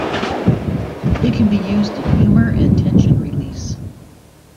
It can be used in humor and tension release.